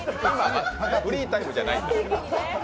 フリータイムじゃないんだから。